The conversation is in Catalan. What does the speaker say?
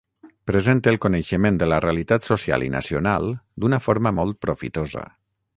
Presente el coneixement de la realitat social i nacional d’una forma molt profitosa.